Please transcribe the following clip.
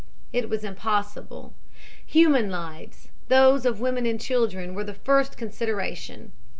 It was impossible. Human lives, those of women and children, were the first consideration.